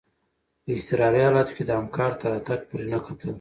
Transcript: په اضطراري حالاتو کي د همکار تر راتګ پوري نه کتل.